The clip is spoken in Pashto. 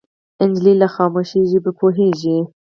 نجلۍ له خاموشۍ ژبه پوهېږي.